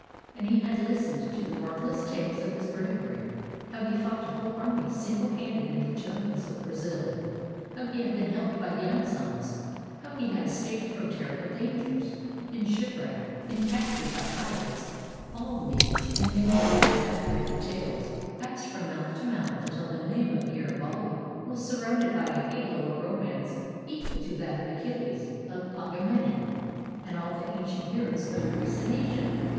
And he had Hstened to the marvelous tales of his bravery ; how he fought a whole army single handed in the jungles of Brazil, how he had been helped by the Amazons; how he had escaped from terrible dangers — been shipwrecked, been captured by pirates — all these, and many other exaggerated tales, passed from mouth to mouth until the name of Garibaldi was surrounded by a halo of romance equal to that of Achilles, of Agamemnon, and all the ancient heroes of Greece and Asia.